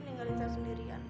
nenggalin saya sendirian